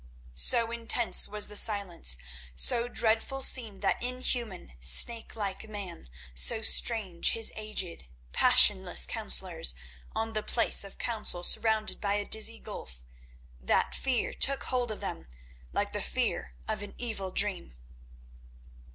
So intense was the silence, so dreadful seemed that inhuman, snake like man, so strange his aged, passionless councillors, and the place of council surrounded by a dizzy gulf, that fear took hold of them like the fear of an evil dream.